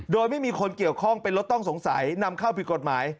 โดยไม่มีคนเกี่ยวข้องเป็นรถต้องสงสัยนำเข้าผิดกฎหมาย